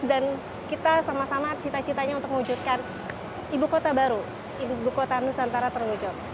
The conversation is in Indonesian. dan kita sama sama cita citanya untuk mewujudkan ibu kota baru ibu kota nusantara terwujud